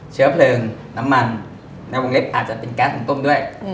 เชื้อเพลิงน้ำมันในวงเล็บอาจจะเป็นแก๊สหุงต้มด้วย